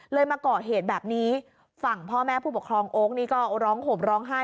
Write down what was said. มาเกาะเหตุแบบนี้ฝั่งพ่อแม่ผู้ปกครองโอ๊คนี่ก็ร้องห่มร้องไห้